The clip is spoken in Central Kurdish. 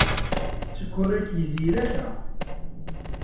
چ کوڕێکی زیرەکە!